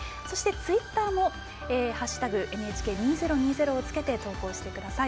ツイッターも「＃ＮＨＫ２０２０」をつけて投稿してください。